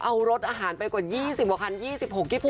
เอารถอาหารไปกว่า๒๐พวกครั้ง๒๖กิต๗คัน